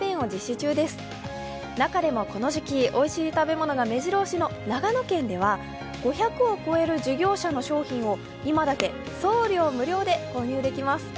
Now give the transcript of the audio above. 中でもこの時期、おいしい食べ物がめじろ押しの長野県では、５００を超える事業者の商品を今だけ送料無料で購入できます。